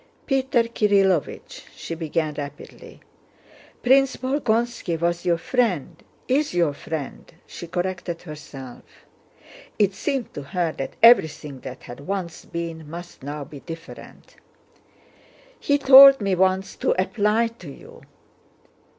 "Peter Kirílovich," she began rapidly, "Prince Bolkónski was your friend—is your friend," she corrected herself. (It seemed to her that everything that had once been must now be different.) "He told me once to apply to you..."